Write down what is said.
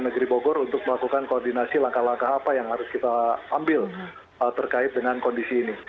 negeri bogor untuk melakukan koordinasi langkah langkah apa yang harus kita ambil terkait dengan kondisi ini